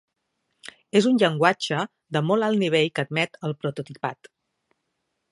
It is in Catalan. És un llenguatge de molt alt nivell que admet el prototipat.